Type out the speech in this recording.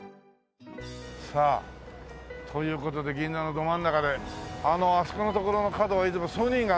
さあという事で銀座のど真ん中であのあそこの所の角はソニーがあった。